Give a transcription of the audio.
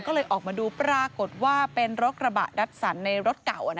ก็เลยออกมาดูปรากฏว่าเป็นรถกระบะดัสสันในรถเก่า